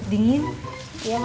paling juga dari belakang